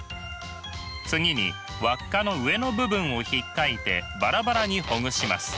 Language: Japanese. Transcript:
次に輪っかの上の部分をひっかいてバラバラにほぐします。